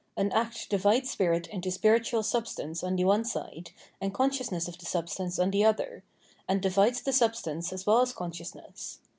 An act divides spirit into spiritual substance on the one side, and consciousness of the substance on the other ; and divides the substance as well as conscious ness.